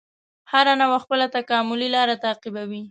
هره نوعه خپله تکاملي لاره تعقیبوي.